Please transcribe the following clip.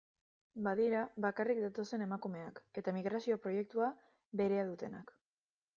Badira bakarrik datozen emakumeak eta migrazio proiektua berea dutenak.